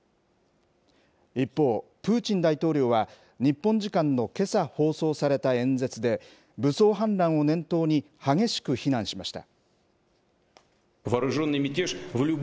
一方、プーチン大統領は日本時間のけさ放送された演説で、武装反乱を念頭に激しく非難しました。